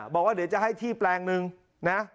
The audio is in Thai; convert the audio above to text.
บอกว่าเดี๋ยวจะให้ที่แปลงนึงนะ